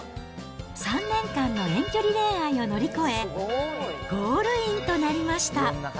３年間の遠距離恋愛を乗り越え、ゴールインとなりました。